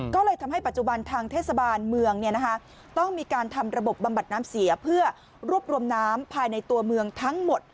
ก็เลยทำให้ปัจจุบันทางเทศบาลเมืองต้องมีการทำระบบบำบัดน้ำเสียเพื่อรวบรวมน้ำภายในตัวเมืองทั้งหมด